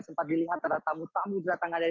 sempat dilihat ada tamu tamu datang dari